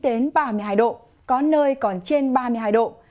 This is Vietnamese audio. đến ba mươi hai độ có nơi còn trên ba mươi hai độ